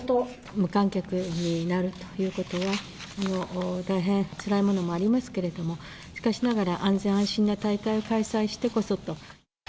無観客になるということは、大変つらいものもありますけれども、しかしながら安全・安心な大会を開催してこそと。